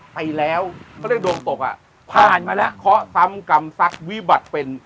ไปแล้วเขาเรียกดวงตกอ่ะผ่านมาแล้วเคาะซ้ำกรรมซักวิบัติเป็น